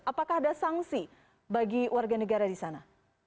apakah ada sanksi bagi warga negara di sana